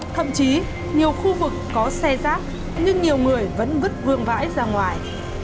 thậm chí nhiều khu vực có xe rác nhưng nhiều người vẫn vứt vương vãi ra ngoài